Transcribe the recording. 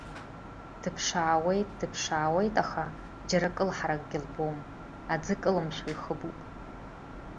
Дыԥшаауеит, дыԥшаауеит, аха џьара кылҳаракгьы лбом, аӡы кылымшәо ихыбуп.